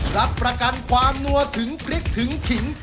รับประกันความนัวถึงพริกถึงขิน